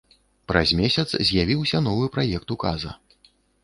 Праз месяц з'явіўся новы праект указа.